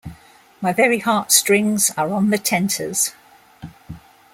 My very heart-strings Are on the tenters.